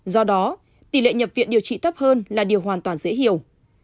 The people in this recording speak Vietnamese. do đó tỷ lệ nhập viện điều trị thấp hơn là điều hoàn toàn dễ hiểu